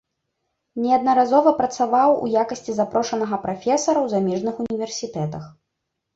Неаднаразова працаваў у якасці запрошанага прафесара ў замежных універсітэтах.